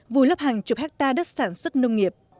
vùi lấp hàng chục hectare đất sản xuất nông nghiệp